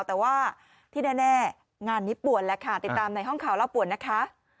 แต่ว่าที่แน่งานนี้ป่วนแล้วค่ะติดตามในห้องข่าวเล่าป่วนนะคะ